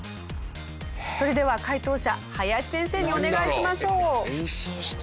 それでは解答者林先生にお願いしましょう。